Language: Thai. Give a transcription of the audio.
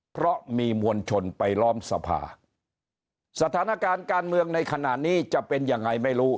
เพราะมีมวลชนไปล้อมสภาสถานการณ์การเมืองในขณะนี้จะเป็นยังไงไม่รู้